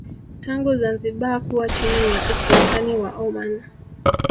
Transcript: tangu Zanzibar kuwa chini ya Usultani wa Oman